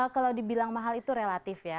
kalau dibilang mahal itu relatif ya